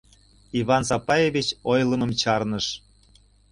Иван Сапаевич ойлымым чарныш.